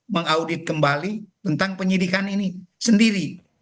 mengaudit kembali tentang penyidikan ini sendiri